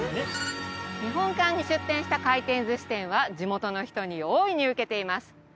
日本館に出店した回転寿司店は地元の人に大いに受けています